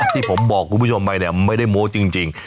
ที่ผมบอกคุณผู้ชมไปเนี่ยไม่ได้โม้จริง